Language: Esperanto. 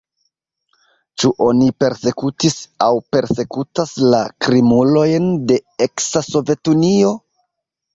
Ĉu oni persekutis aŭ persekutas la krimulojn de eksa Sovetunio?